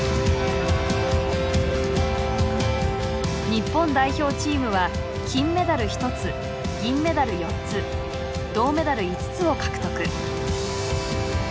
日本代表チームは金メダル１つ銀メダル４つ銅メダル５つを獲得。